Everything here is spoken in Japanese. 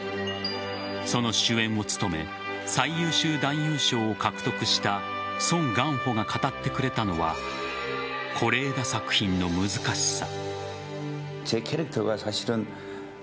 その主演を務め最優秀男優賞を獲得したソン・ガンホが語ってくれたのは是枝作品の難しさ。